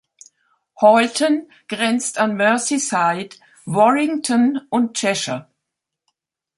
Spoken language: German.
Halton grenzt an Merseyside, Warrington und Cheshire.